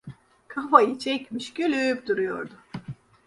Kafayı çekmiş, gülüp duruyordu!